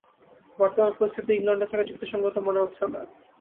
বর্তমান পরিস্থিতিতে ইংলণ্ডে থাকা যুক্তিসঙ্গত মনে হচ্ছে না।